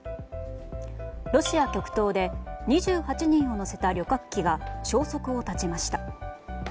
ロシア極東で２８人を乗せた旅客機が消息を絶ちました。